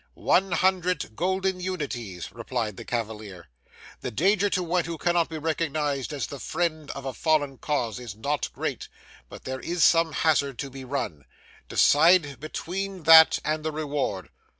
'One hundred golden unities,' replied the cavalier. 'The danger to one who cannot be recognised as the friend of a fallen cause is not great, but there is some hazard to be run. Decide between that and the reward.